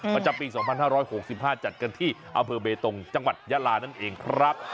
ประจำปี๒๕๖๕จัดกันที่อำเภอเบตงจังหวัดยาลานั่นเองครับ